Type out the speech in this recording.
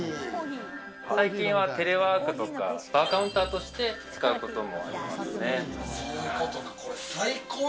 最近はテレワークとかバーカウンターとして使うこともありますね。